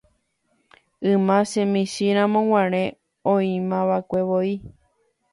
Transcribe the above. yma chemichĩramo guare oĩmava'ekuevoi